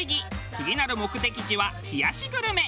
次なる目的地は冷やしグルメ。